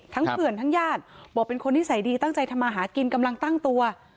เพื่อนทั้งญาติบอกเป็นคนนิสัยดีตั้งใจทำมาหากินกำลังตั้งตัว